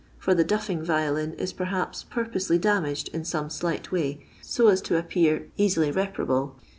for the duffing violin is perhaps purposely damaged in loma dight way, so as to appear easily reparable.